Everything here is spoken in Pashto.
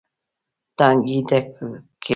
ټانکۍ ډکوي.